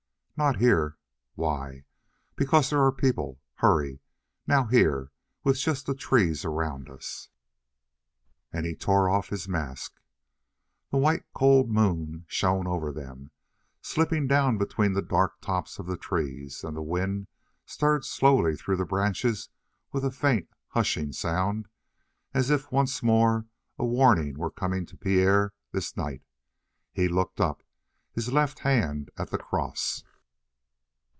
"Not here." "Why?" "Because there are people. Hurry. Now here, with just the trees around us " And he tore off his mask. The white, cold moon shone over them, slipping down between the dark tops of the trees, and the wind stirred slowly through the branches with a faint, hushing sound, as if once more a warning were coming to Pierre this night. He looked up, his left hand at the cross.